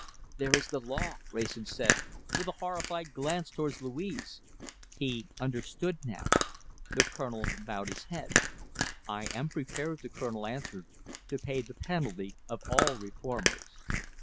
"There is the law," Wrayson said, with a horrified glance towards Louise. He understood now. The Colonel bowed his head. "I am prepared," the Colonel answered, "to pay the penalty of all reformers."